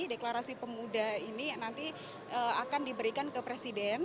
deklarasi pemuda ini nanti akan diberikan ke presiden